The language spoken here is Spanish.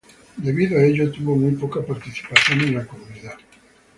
Debido a ello tuvo muy poca participación en la comunidad.